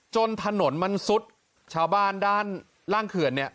จนถนนมันซุดชาวบ้านด้านล่างเขื่อนเนี่ย